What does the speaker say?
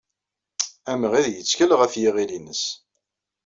Amɣid yettkel ɣef yiɣil-nnes.